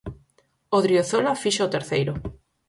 Odriozola fixo o terceiro.